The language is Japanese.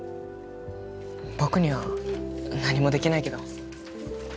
僕には何もできないけど。